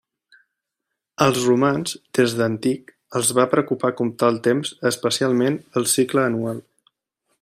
Als romans, des d'antic, els va preocupar comptar el temps, especialment el cicle anual.